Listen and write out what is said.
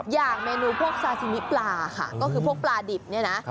อย่างเมนูพวกซาซิมิปลาค่ะก็คือพวกปลาดิบเนี่ยนะ